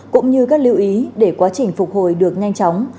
cũng như các lưu ý để quá trình phục hồi được nhanh chóng